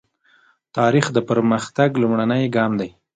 تاریخ د پرمختګ لومړنی ګام دی.